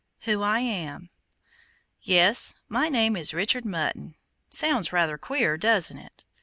WHO I AM Yes, my name is Richard Mutton. Sounds rather queer, doesn't it?